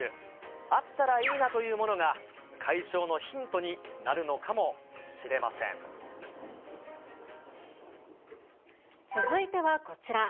あったらいいなというものが、解消のヒントになるのかもしれま続いてはこちら。